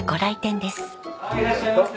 はいいらっしゃいませ。